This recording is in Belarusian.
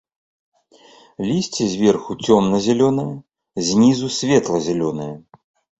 Лісце зверху цёмна-зялёнае, знізу светла-зялёнае.